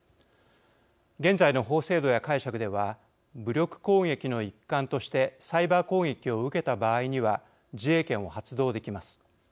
現在の法制度や解釈では武力攻撃の一環としてサイバー攻撃を受けた場合には自衛権を発動できます。